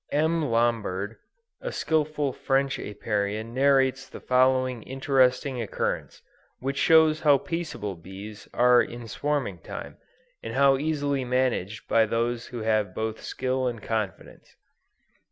_ M. Lombard, a skillful French Apiarian narrates the following interesting occurrence, which shows how peaceable bees are in swarming time, and how easily managed by those who have both skill and confidence.